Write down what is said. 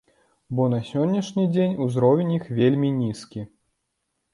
Бо на сённяшні дзень узровень іх вельмі нізкі.